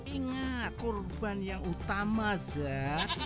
ingat kurban yang utama zed